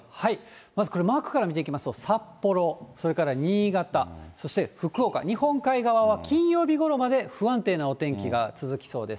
まずこれ、マークから見ていきますと、札幌、それから新潟、そして福岡、日本海側は金曜日ごろまで不安定なお天気が続きそうです。